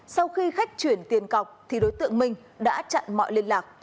sau khi khách chuyển tiền cọc thì đối tượng minh đã chặn mọi liên lạc